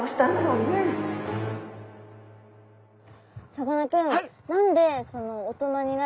さかなクン！